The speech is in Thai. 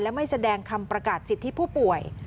และไม่แสดงคำประกาศสิทธิผู้ป่วย